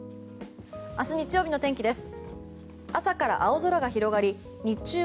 明日日曜日の天気です。